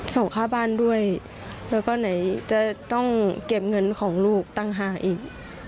ส่งค่าบ้านด้วยแล้วก็ไหนจะต้องเก็บเงินของลูกตั้งห้าอีก